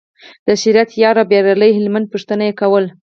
د شریعت یار او بریالي هلمند پوښتنه یې کوله.